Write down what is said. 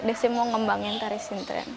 desi mau ngembangin tari sintren